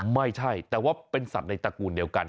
ไม่ใช่แต่ว่าเป็นสัตว์ในตระกูลเดียวกัน